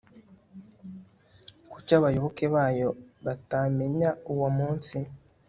kuki abayoboke bayo batamenya uwo munsi